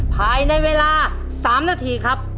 ภายในเวลา๓นาทีครับ